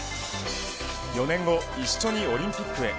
４年後、一緒にオリンピックへ。